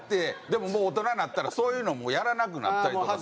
でももう大人になったらそういうのもうやらなくなったりとか。